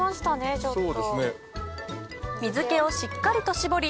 ちょっと。